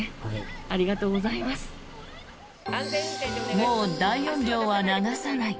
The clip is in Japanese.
もう大音量は流さない。